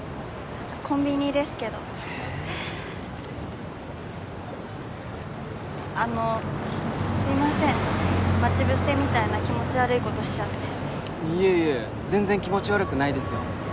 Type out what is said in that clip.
コンビニですけどへぇあのすいません待ち伏せみたいな気持ち悪いことしちゃっていえいえ全然気持ち悪くないですよ